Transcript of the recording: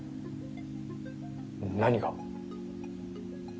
何が？